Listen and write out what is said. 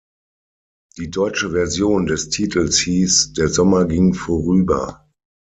Die deutsche Version des Titels hieß "Der Sommer ging vorüber".